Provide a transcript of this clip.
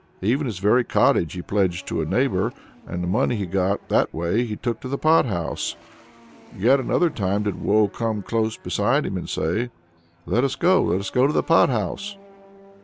Even his very cottage he pledged to a neighbor, and the money he got that way he took to the pot house. Yet another time did Woe come close beside him and say: "Let us go, let us go to the pot house!"